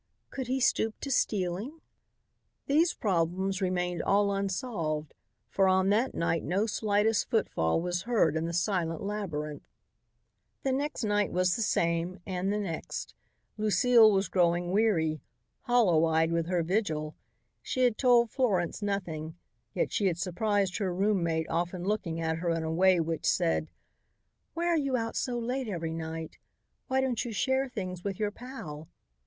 Could he stoop to stealing?" These problems remained all unsolved, for on that night no slightest footfall was heard in the silent labyrinth. The next night was the same, and the next. Lucile was growing weary, hollow eyed with her vigil. She had told Florence nothing, yet she had surprised her roommate often looking at her in a way which said, "Why are you out so late every night? Why don't you share things with your pal?"